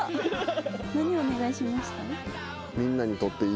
何お願いしました？